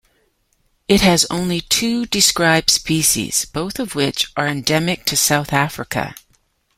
It has only two described species, both of which are endemic to South Africa.